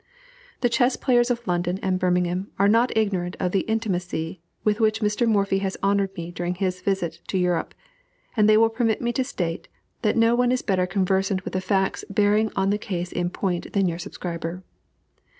The chess players of London and Birmingham are not ignorant of the intimacy with which Mr. Morphy has honored me during his visit to Europe, and they will permit me to state, that no one is better conversant with the facts bearing on the case in point than your subscriber.